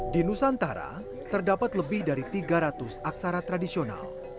di nusantara terdapat lebih dari tiga ratus aksara tradisional